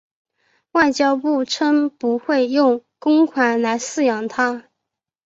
外交部称不会用公款来饲养它。